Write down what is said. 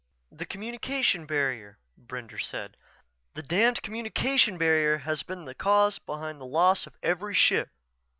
"The communication barrier," Brender said. "The damned communication barrier has been the cause behind the loss of every ship.